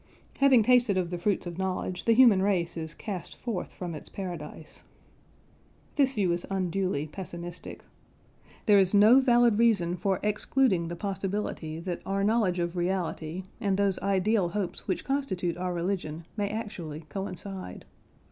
Having tasted of the fruits of knowledge, the human race is cast forth from its Paradise. This view is unduly pessimistic. There is no valid reason for excluding the possibility that our knowledge of reality and those ideal hopes which constitute our religion may actually coincide.